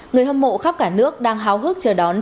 người hâm mộ khắp cả nước đang háo hức chờ đón trận bán đáy